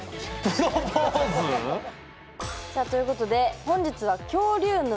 プロポーズ⁉さあということで本日は「恐竜沼」。